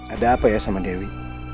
ada apa ya sama dewi